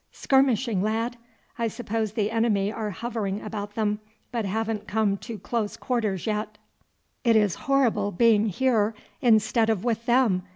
"Skirmishing, lad! I suppose the enemy are hovering about them, but haven't come to close quarters yet." "It is horrible being here instead of with them!"